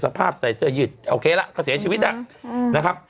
ใส่เสื้อยืดโอเคละเขาเสียชีวิตนะครับ